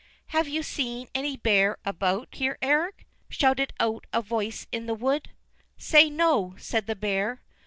"Have you seen any bear about here, Eric?" shouted out a voice in the wood. "Say no," said the bear.